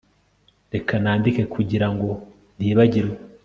Reka nandike kugirango ntibagirwa